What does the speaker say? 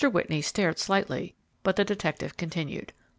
Whitney started slightly, but the detective continued.